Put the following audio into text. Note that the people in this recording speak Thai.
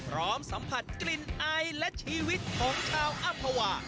สัมผัสกลิ่นไอและชีวิตของชาวอำภาวา